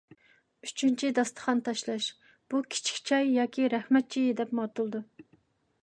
ئۈچىنچى، داستىخان تاشلاش. بۇ «كىچىك چاي» ياكى «رەھمەت چېيى» دەپمۇ ئاتىلىدۇ.